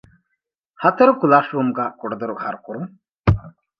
ހަތަރު ކްލާސްރޫމްގައި ކުޑަދޮރު ހަރުކުރުން